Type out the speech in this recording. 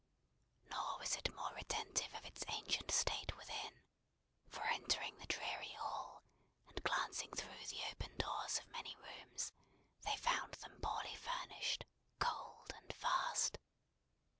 Nor was it more retentive of its ancient state, within; for entering the dreary hall, and glancing through the open doors of many rooms, they found them poorly furnished, cold, and vast.